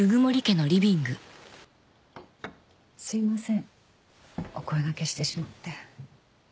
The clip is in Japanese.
すいませんお声がけしてしまって。